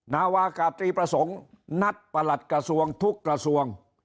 นาวากาตรีประสงค์นัดประหลัดกระทรวงทุกกระทรวง